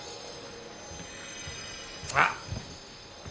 あっ！